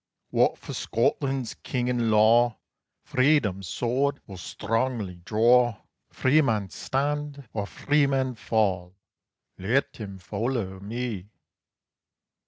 Wha for Scotland's King and law Freedom's sword will strongly draw, Free man stand, or free man fa', Let him follow me!